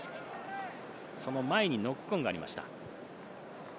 その前にノックオンがありました。